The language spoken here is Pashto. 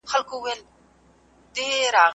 د ځوانانو د استعدادونو درناوی پکار دی.